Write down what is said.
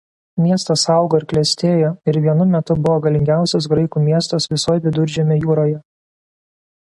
Miestas augo ir klestėjo ir vienu metu buvo galingiausias graikų miestas visoj Viduržemio jūroje.